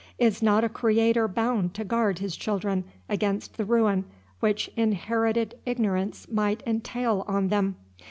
Is not a Creator bound to guard his children against the ruin which inherited ignorance might entail on them?